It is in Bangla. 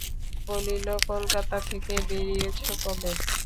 বলিল, কলকাতা থেকে বেরিয়েছ কবে?